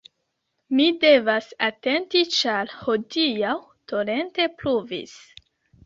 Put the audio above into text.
Mi devas atenti ĉar hodiaŭ torente pluvis